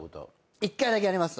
一回だけあります。